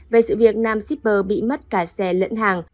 về sự việc nam shipper bị mất cả xe lẫn hàng